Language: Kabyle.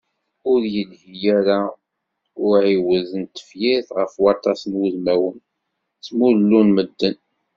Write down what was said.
Ur yelhi ara uɛiwed n tefyirt ɣef waṭas n wudmawen, ttmullun medden.